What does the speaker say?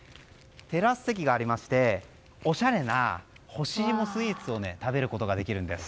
テラス席がありましておしゃれな干し芋スイーツを食べることができるんです。